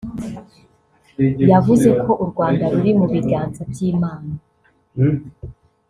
yavuze ko u Rwanda ruri mu biganza by’Imana